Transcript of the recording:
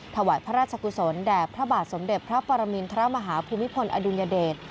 ถวายพระราชกุศลแด่พระบาทสมเด็จพระปรมินทรมาฮาภูมิพลอดุลยเดช